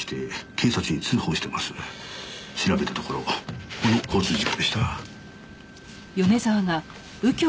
調べたところこの交通事故でした。